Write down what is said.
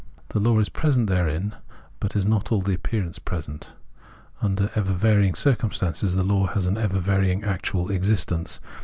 The law is present therein, but is not all the appearance present; under ever varying circum stances the law has an ever varying actual existence.